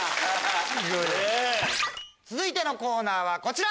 続いてのコーナーはこちら！